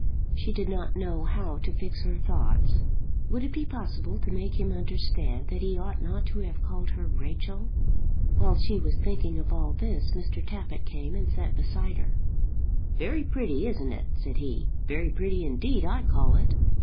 She did not know how to fix her thoughts. Would it be possible to make him understand that he ought not to have called her Rachel? While she was thinking of all this Mr. Tappitt came and sat beside her. "Very pretty; isn't it?" said he. "Very pretty indeed, I call it."